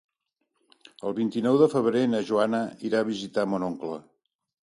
El vint-i-nou de febrer na Joana irà a visitar mon oncle.